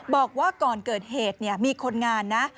บอกว่าก่อนเกิดเหตุมีคนงานนะ